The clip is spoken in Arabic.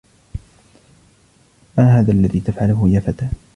ما هذا الذي تفعله يا فتى؟